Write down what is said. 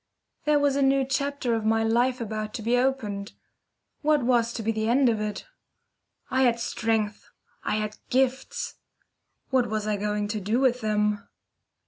Here was a new chapter of my life about to be opened. What was to be the end of it? I had strength, I had gifts. What was I going to do with them?